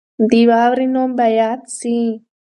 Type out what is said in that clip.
د واورې نوم به یاد سي.